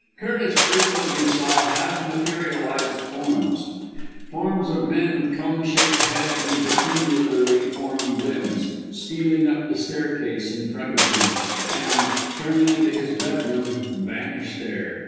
Curtis frequently saw half materialized forms, forms of men with cone shaped heads and peculiarly formed limbs, stealing up the staircase in front of him, and, turning into his bedroom, vanish there.